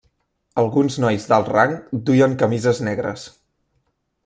Alguns nois d'alt rang duien camises negres.